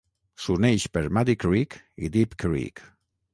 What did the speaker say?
S'uneix per Muddy Creek i Deep Creek.